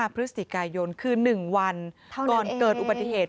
พฤศจิกายนคือ๑วันก่อนเกิดอุบัติเหตุ